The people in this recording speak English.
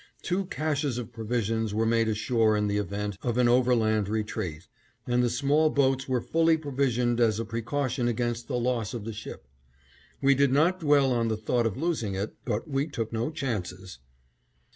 Two caches of provisions were made ashore in the event of an overland retreat, and the small boats were fully provisioned as a precaution against the loss of the ship. We did not dwell on the thought of losing it, but we took no chances.